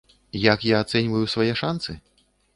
Як я ацэньваю свае шанцы?